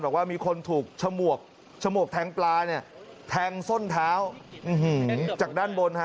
บอกว่ามีคนถูกฉมวกฉมวกแทงปลาเนี่ยแทงส้นเท้าจากด้านบนฮะ